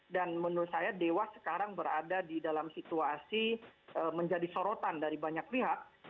dan menurut saya dewas sekarang berada di dalam situasi menjadi sorotan dari banyak pihak